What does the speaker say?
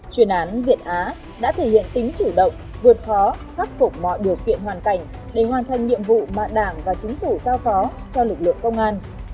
chuyên án việt á đã thể hiện tính chủ động vượt khó khắc phục mọi điều kiện hoàn cảnh để hoàn thành nhiệm vụ mà đảng và chính phủ giao phó cho lực lượng công an